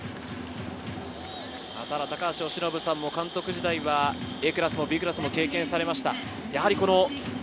ただ、高橋由伸さんも監督時代はＡクラスもＢクラスも経験されました。